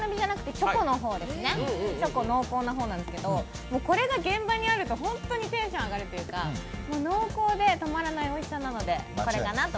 チョコ、濃厚な方なんですけどこれが現場にあると本当にテンションが上がるというか濃厚でたまらないおいしさなので、これかなと。